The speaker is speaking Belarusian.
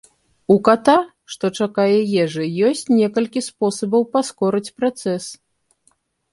У ката, што чакае ежы, ёсць некалькі спосабаў паскорыць працэс.